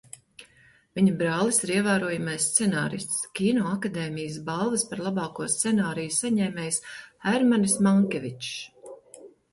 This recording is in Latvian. Viņa brālis ir ievērojamais scenārists, Kinoakadēmijas balvas par labāko scenāriju saņēmējs Hermanis Mankevičs.